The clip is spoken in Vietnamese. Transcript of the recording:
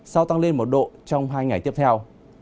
sau tăng lên một độ trong hai ngày tiếp theo